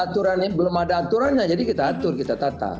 karena belum ada aturannya jadi kita atur kita tata